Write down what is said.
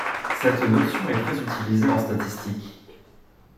Cette notion est très utilisée en statistique.